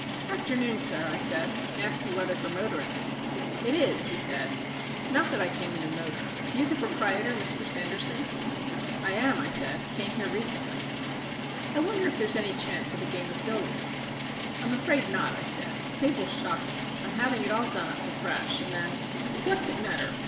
"Afternoon, sir," I said. "Nasty weather for motoring." "It is," he said. "Not that I came in a motor. You the proprietor, Mr Sanderson?" "I am," I said. "Came here recently." "I wonder if there's any chance of a game of billiards." "I'm afraid not," I said. "Table's shocking. I'm having it all done up afresh, and then " "What's it matter?"